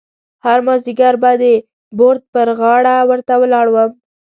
هر مازیګر به د بورد پر غاړه ورته ولاړ وم.